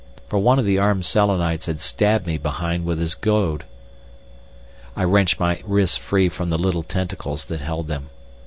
For one of the armed Selenites had stabbed me behind with his goad. I wrenched my wrists free from the little tentacles that held them.